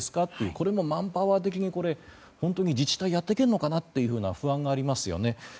これもマンパワー的に本当に自治体やっていけるのかなという不安がありますよね。